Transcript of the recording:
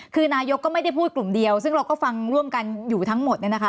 คือนายกก็ไม่ได้พูดกลุ่มเดียวซึ่งเราก็ฟังร่วมกันอยู่ทั้งหมดเนี่ยนะคะ